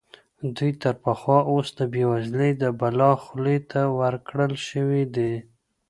دوی تر پخوا اوس د بېوزلۍ د بلا خولې ته ورکړل شوي دي.